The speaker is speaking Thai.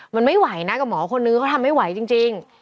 มันไม่ไหวนะกับหมอคนนึงเขาทำไม่ไหวจริง